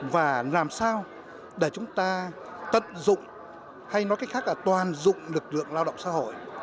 và làm sao để chúng ta tận dụng hay nói cách khác là toàn dụng lực lượng lao động xã hội